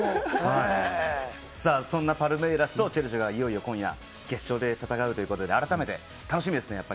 そんなパルメイラスとチェルシーがいよいよ今夜決勝で戦うということであらためて楽しみですね。